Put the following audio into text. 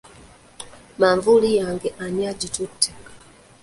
Manvuuli yange ani agitutte?